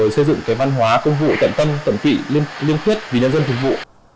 xây dựng văn hóa công vụ tận tâm tẩm kỵ liên quyết vì nhân dân phục vụ